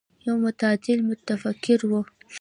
يو متعادل متفکر و.